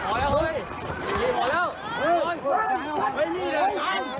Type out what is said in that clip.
พอแล้วพอแล้วพอแล้วพอแล้วเฮ้ยพอแล้ว